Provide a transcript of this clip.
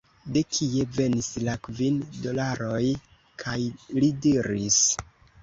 De kie venis la kvin dolaroj? kaj li diris: